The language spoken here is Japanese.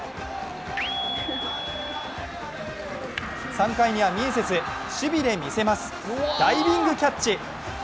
３回にはミエセス、守備で見せます、ダイビングキャッチ。